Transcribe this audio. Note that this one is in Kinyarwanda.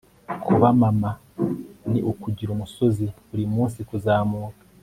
kuba mama ni ukugira umusozi burimunsi kuzamuka